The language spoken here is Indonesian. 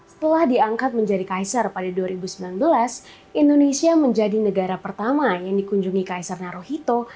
setelah diangkat menjadi kaisar pada dua ribu sembilan belas indonesia menjadi negara pertama yang dikunjungi kaisar naruhito